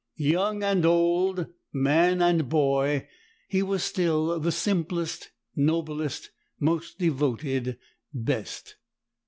Young and old, man and boy, he was still the simplest, noblest, most devoted, best.